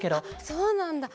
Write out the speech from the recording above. そうなんだ！